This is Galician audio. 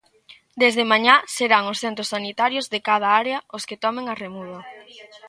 Desde mañá serán os centros sanitarios de cada área os que tomen a remuda...